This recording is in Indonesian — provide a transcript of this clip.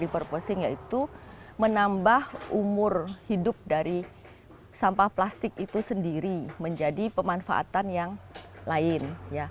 menambah umur hidup dari sampah plastik itu sendiri menjadi pemanfaatan yang lain